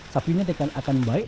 sapinya akan baik